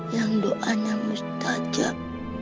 yang doanya mustajab